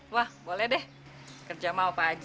wah boleh deh kerja mau apa aja